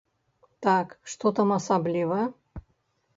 Так, што там асабліва?